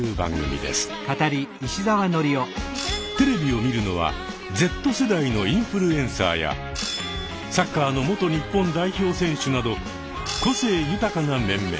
テレビを見るのはＺ世代のインフルエンサーやサッカーの元日本代表選手など個性豊かな面々。